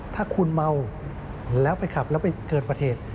ถ้าคุณเมาแล้วไปขับแล้วไปเกิดปฏิเหตุ